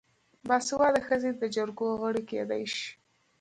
باسواده ښځې د جرګو غړې کیدی شي.